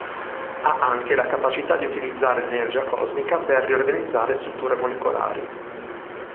Ha anche la capacità di utilizzare l'energia cosmica per riorganizzare strutture molecolari.